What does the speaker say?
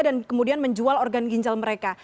dan kemudian menjual organ ginjal mereka